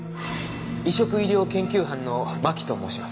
移植医療研究班の真木と申します。